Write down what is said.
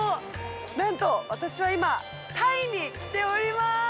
なんと、私は、今タイに来ておりまーす。